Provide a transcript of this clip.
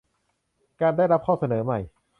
การได้รับข้อเสนอใหม่